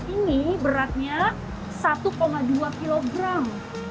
ini beratnya satu dua kilogram